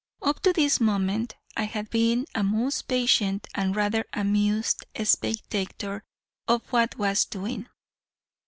Up to this moment I had been a most patient and rather amused spectator of what was doing.